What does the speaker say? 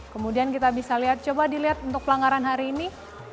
kemudian kita bisa lihat coba dilihat untuk pelanggaran hari ini